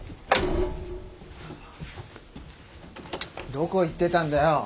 どこ行ってたんだよ。